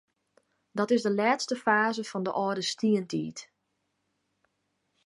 Dat is de lêste faze fan de âlde stientiid.